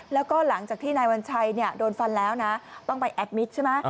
แล้วก็หลังจากที่นายวัญชัยโดนฟันแล้วนะต้องไปแอดมิตรใช่ไหม